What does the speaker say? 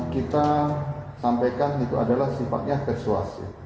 kita sampaikan itu adalah sifatnya persuasif